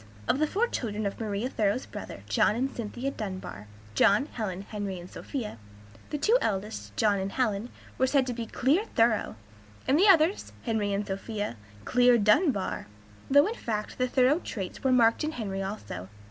Of the four children of Maria Thoreau's brother John and Cynthia Dunbar, John, Helen, Henry, and Sophia, the two eldest, John and Helen, were said to be "clear Thoreau," and the others, Henry and Sophia, "clear Dunbar;" though in fact the Thoreau traits were marked in Henry also.